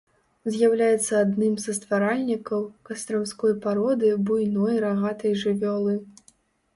З'яўляецца адным са стваральнікаў кастрамской пароды буйной рагатай жывёлы.